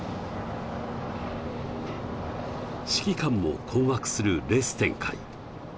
指揮官も困惑するレース展開。